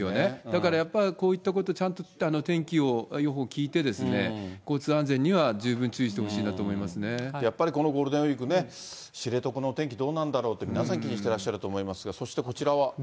だからやっぱりこういったこと、ちゃんと天気予報を聞いて、交通安全には十分注意してほしいなとやっぱりこのゴールデンウィーク、知床のお天気、どうなんだろうと、皆さん、気にしてらっしゃると思いますが。